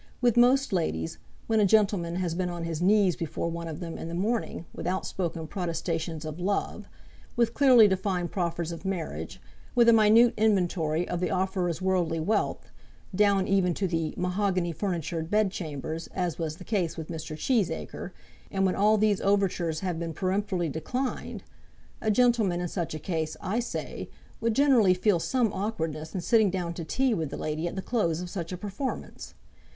With most ladies, when a gentleman has been on his knees before one of them in the morning, with outspoken protestations of love, with clearly defined proffers of marriage, with a minute inventory of the offerer's worldly wealth, down even to the "mahogany furnitured" bed chambers, as was the case with Mr. Cheesacre, and when all these overtures have been peremptorily declined, a gentleman in such a case, I say, would generally feel some awkwardness in sitting down to tea with the lady at the close of such a performance.